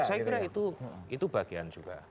saya kira itu bagian juga